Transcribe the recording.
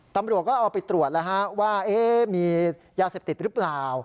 ตำรวจก็เอาไปตรวจแล้วว่ามียาเสพติดหรือเปล่า